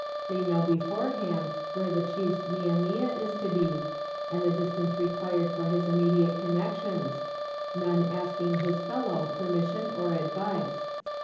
They know beforehand where the chief's mia mia is to be, and the distance required for his immediate connexions none asking his fellow permission or advice.